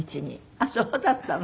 あっそうだったの。